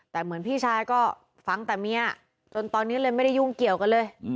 แต่เหมือนพี่ชายก็ฟังแต่เมียจนตอนนี้เลยไม่ได้ยุ่งเกี่ยวกันเลย